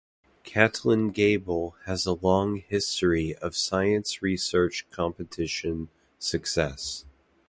Catlin Gabel has a long history of science research competition success.